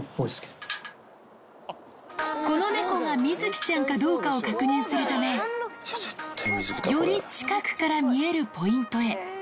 この猫がみづきちゃんかどうかを確認するため、より近くから見えるポイントへ。